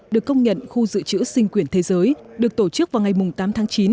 được công nhận khu dự trữ sinh quyển thế giới được tổ chức vào ngày tám tháng chín